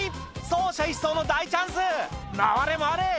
走者一掃の大チャンス回れ回れ！